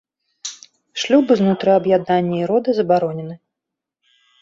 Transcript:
Шлюбы знутры аб'яднання і рода забаронены.